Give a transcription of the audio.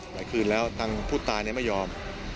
คืนแล้วทางผู้ตายไม่ยอม